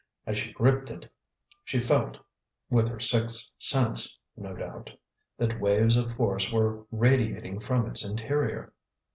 As she gripped it, she felt with her sixth sense, no doubt that waves of force were radiating from its interior.